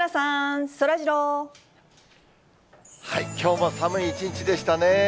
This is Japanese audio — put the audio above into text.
きょうも寒い一日でしたね。